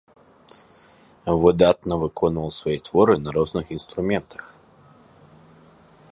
Выдатна выконваў свае творы на розных інструментах.